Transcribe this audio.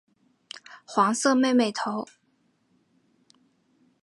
黄色妹妹头。